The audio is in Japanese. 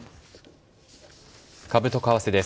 株と為替です。